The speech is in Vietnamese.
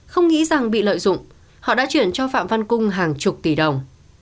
không nghĩ rằng bị lợi dụng họ đã chuyển cho phạm văn cung hàng chục tỷ đồng